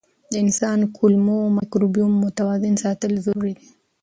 د انسان کولمو مایکروبیوم متوازن ساتل ضروري دي.